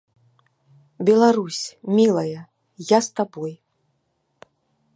Беларусь, мілая, я з табой.